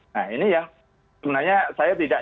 nah ini yang sebenarnya saya tidak